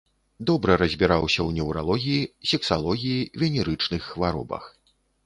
Добра разбіраўся ў неўралогіі, сексалогіі, венерычных хваробах.